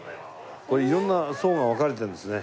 これ色んな層が分かれてるんですね。